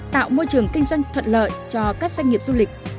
tạo môi trường kinh doanh thuận lợi cho các doanh nghiệp du lịch